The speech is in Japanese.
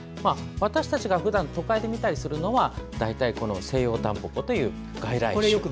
私たちがふだん都会で見たりするのはセイヨウタンポポという外来種。